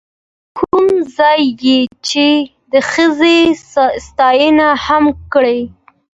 کوم ځاى يې چې د ښځې ستاينه هم کړې،،